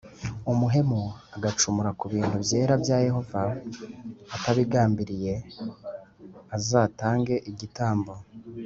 umuhemu agacumura ku bintu byera bya Yehova atabigambiriye n azatange igitambo